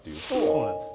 そうなんです。